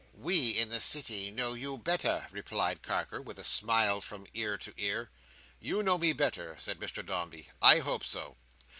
"We, in the City, know you better," replied Carker, with a smile from ear to ear. "You know me better," said Mr Dombey. "I hope so.